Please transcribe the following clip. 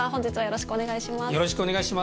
よろしくお願いします。